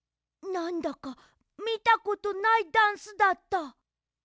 なんだかみたことないダンスだった。